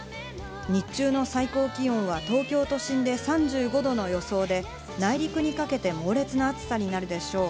日中の最高気温は東京都心で３５度との予想で、内陸にかけて猛烈な暑さになるでしょう。